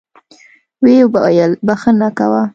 ويې ويل بخښه کوه.